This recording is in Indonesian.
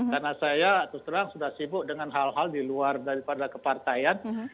karena saya terus terang sudah sibuk dengan hal hal di luar daripada kepartaian